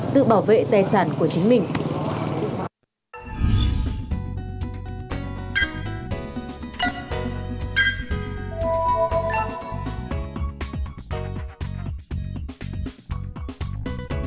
tự bảo vệ tài sản của chính mình